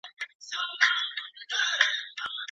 انسانانو ته د بشپړ درناوي او عزت قايل سئ.